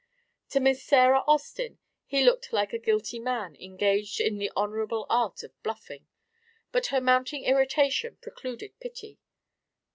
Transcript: To Miss Sarah Austin he looked like a guilty man engaged in the honourable art of bluffing, but her mounting irritation precluded pity.